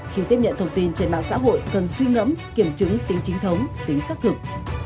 khi tiếp nhận thông tin trên mạng xã hội cần suy ngẫm kiểm chứng tính chính thống tính xác thực